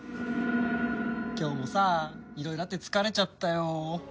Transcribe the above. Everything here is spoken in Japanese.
今日もさいろいろあって疲れちゃったよ。